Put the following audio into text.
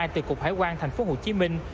từ cục hải quan thành phố hồ chí minh